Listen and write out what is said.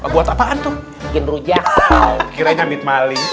buat apaan tuh bikin rujak kiranya midmaling